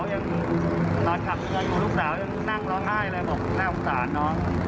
เวลาอยู่ลูกสาวยังนั่งร้อนไห้เลยบอกน่าอุปสรรคนะ